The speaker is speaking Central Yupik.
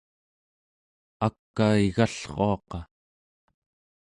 ak'a igallruaqa